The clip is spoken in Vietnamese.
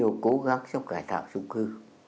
và cũng có nhiều cố gắng trong cải tạo chung cư